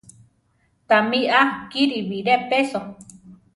Tamí á kiri biré peso.